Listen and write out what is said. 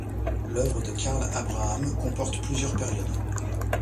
L'œuvre de Karl Abraham comporte plusieurs périodes.